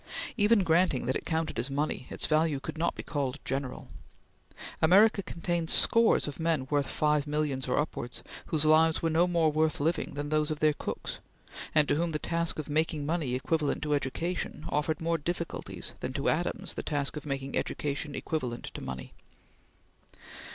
Even granting that it counted as money, its value could not be called general. America contained scores of men worth five millions or upwards, whose lives were no more worth living than those of their cooks, and to whom the task of making money equivalent to education offered more difficulties than to Adams the task of making education equivalent to money.